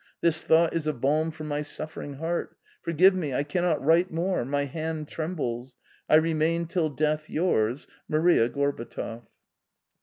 This thought is a balm for my suffering heart. Forgive me, I cannot write more, my hand trembles. " I remain till death yours, "Maria Gorbatov."